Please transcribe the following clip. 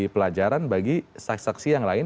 pelajaran bagi saksi saksi yang lain